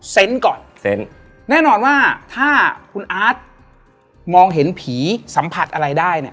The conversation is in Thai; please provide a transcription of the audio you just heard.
ก่อนเซนต์แน่นอนว่าถ้าคุณอาร์ตมองเห็นผีสัมผัสอะไรได้เนี่ย